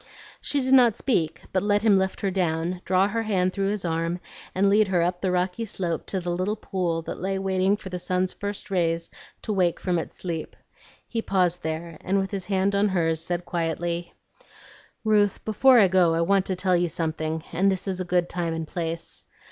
She did not speak, but let him lift her down, draw her hand through his arm, and lead her up the rocky slope to the little pool that lay waiting for the sun's first rays to wake from its sleep. He paused there, and with his hand on hers said quietly, "Ruth, before I go I want to tell you something, and this is a good time and place.